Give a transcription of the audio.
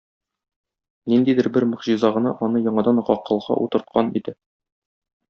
Ниндидер бер могҗиза гына аны яңадан гакылга утырткан иде...